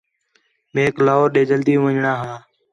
میک لاہور ݙے جلدی ون٘ڄݨاں ہا